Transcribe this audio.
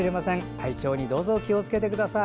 体調にどうぞ気をつけてください。